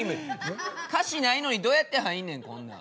歌詞ないのにどうやって入んねんこんなん。